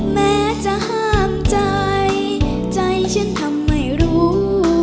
แม้จะห้ามใจใจฉันทำไม่รู้